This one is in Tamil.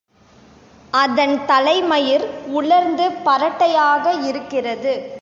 அதன் தலைமயிர் உலர்ந்து பரட்டையாக இருக்கிறது.